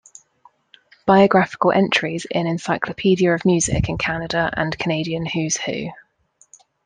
Biographical entries in Encyclopaedia of Music in Canada and Canadian Who's Who.